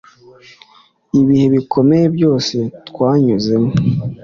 ibihe bikomeye byose twanyuzemo